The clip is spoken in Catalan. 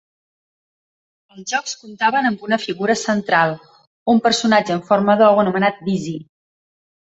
Els jocs comptaven amb una figura central: un personatge en forma d'ou anomenat Dizzy.